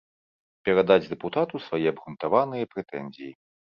Перадаць дэпутату свае абгрунтаваныя прэтэнзіі.